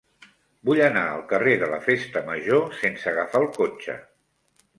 Vull anar al carrer de la Festa Major sense agafar el cotxe.